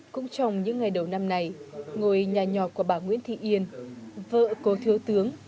cũng trong những ngày đầu năm này ngồi nhà nhỏ của bà nguyễn thị yên vợ cô thứ tướng